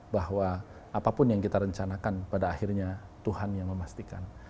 bahwa apapun yang kita rencanakan pada akhirnya tuhan yang memastikan